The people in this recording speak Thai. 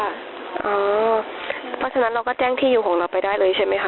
เพราะฉะนั้นเราก็แจ้งที่อยู่ของเราไปได้เลยใช่ไหมคะ